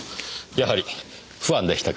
やはりファンでしたか。